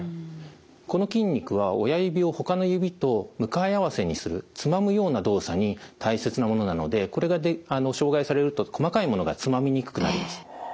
この筋肉は親指をほかの指と向かい合わせにするつまむような動作に大切なものなのでこれが障害されると細かいものがつまみにくくなります。